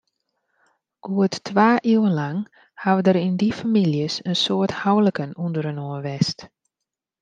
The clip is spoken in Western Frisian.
Goed twa iuwen lang hawwe der yn dy famyljes in soad houliken ûnderinoar west.